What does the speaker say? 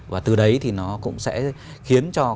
và từ đấy thì nó cũng sẽ khiến cho